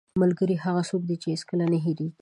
ملګری هغه څوک دی چې هېڅکله یې نه هېروې